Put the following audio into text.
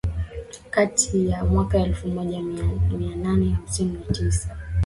kati ya mwaka elfu moja mia nane hamsini na sita